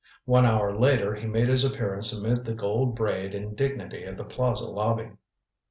One hour later he made his appearance amid the gold braid and dignity of the Plaza lobby.